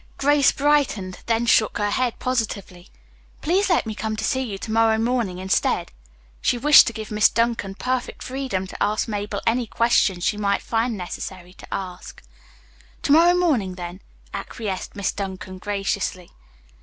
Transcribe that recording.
Grace brightened, then shook her head positively. "Please let me come to see you to morrow morning instead." She wished to give Miss Duncan perfect freedom to ask Mabel any questions she might find necessary to ask. "To morrow morning, then," acquiesced Miss Duncan graciously.